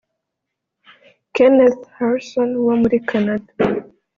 Kenneth Harrison wo muri Canada